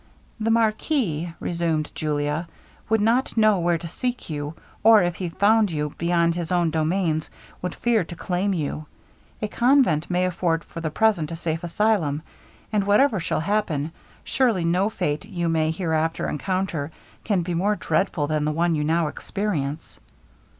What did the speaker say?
'The marquis,' resumed Julia, 'would not know where to seek you, or if he found you beyond his own domains, would fear to claim you. A convent may afford for the present a safe asylum; and whatever shall happen, surely no fate you may hereafter encounter can be more dreadful than the one you now experience.'